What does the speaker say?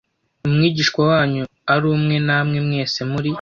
umwigisha wanyu ari umwe namwe mwese muri